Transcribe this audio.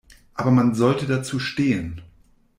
Aber man sollte dazu stehen.